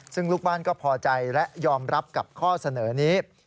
ซึ่งลูกบ้านก็พอใจและยอมรับกับข้อเสนอนี้